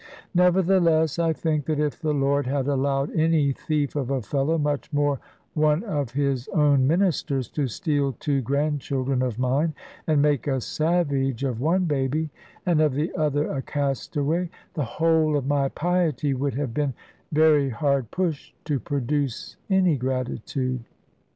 Nevertheless, I think that if the Lord had allowed any thief of a fellow (much more one of His own ministers) to steal two grandchildren of mine, and make a savage of one baby, and of the other a castaway, the whole of my piety would have been very hard pushed to produce any gratitude.